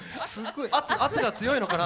圧が強いのかな。